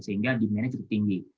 sehingga dimenangnya cukup tinggi